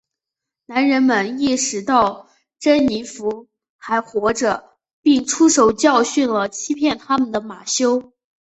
男人们意识到珍妮佛还活着并出手教训了欺骗他们的马修。